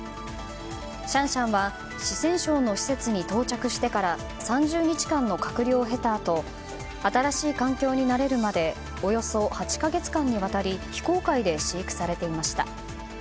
シャンシャンは四川省の施設に到着してから３０日間の隔離を経たあと新しい環境に慣れるまでおよそ８か月間にわたり非公開で飼育されていました。